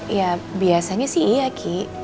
ya biasanya sih iya ki